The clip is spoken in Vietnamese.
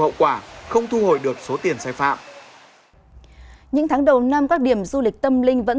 hậu quả không thu hồi được số tiền sai phạm những tháng đầu năm các điểm du lịch tâm linh vẫn